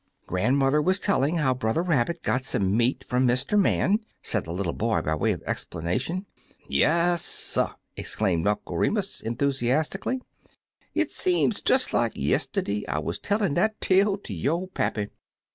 "Grandmother was telling how Brother Rabbit got some meat from Mr. Man," said the little boy by way of explanation. "Yasser I" exclaimed Uncle Remus, en thusiastically. "It seem des like yistiddy I wuz tellin' dat tale ter yo' pappy.